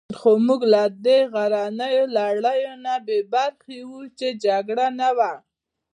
خو موږ له دې غرنیو لړیو نه بې برخې وو، چې جګړه نه وه.